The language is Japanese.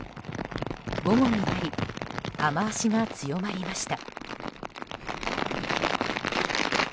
午後になり雨脚が強まりました。